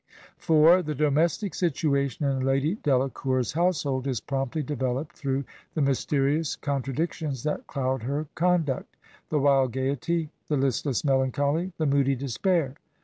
IV The domestic situation in Lady Ddacour's household is promptly developed through the mysterious contra dictions that cloud her conduct: the wild gayety, the Ustless melancholy, the moody despair.